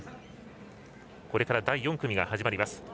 これから第４組が始まります。